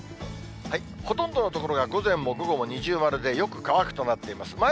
ほとんどの所が、午前も午後も二重丸でよく乾くとなっています。